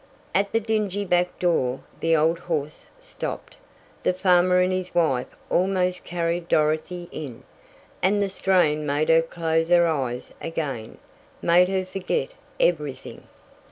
At the dingy back door, the old horse stopped. The farmer and his wife almost carried Dorothy in, and the strain made her close her eyes again; made her forget everything.